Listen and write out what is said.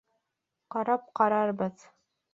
Ҡарап ҡарарбыҙ.